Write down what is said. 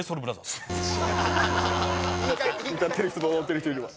歌ってる人と踊ってる人いるわ。